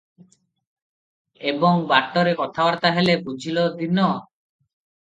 ଏବଂ ବାଟରେ କଥାବାର୍ତ୍ତା ହେଲେ- "ବୁଝିଲ ଦୀନ!